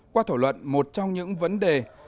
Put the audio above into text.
qua thổ luận một trong những vấn đề